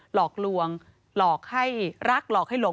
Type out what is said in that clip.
หลอกลวงหลอกให้รักหลอกให้หลง